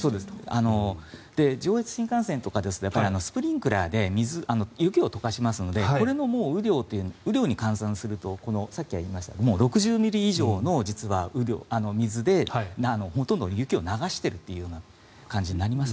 上越新幹線とかスプリンクラーで雪を溶かしますのでこれを雨量に換算するとさっきありました６０ミリ以上の水でほとんど雪を流しているという感じになります。